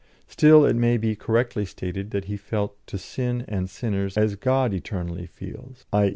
Still, it may be correctly stated that He felt to sin and sinners 'as God eternally feels' _i.e.